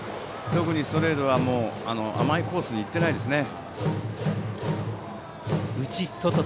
特にストレートが甘いコースに行ってないですね。